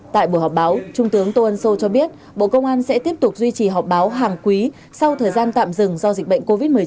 tại buổi họp báo trung tướng tô ân sô cho biết bộ công an sẽ tiếp tục duy trì họp báo hàng quý sau thời gian tạm dừng do dịch bệnh covid một mươi chín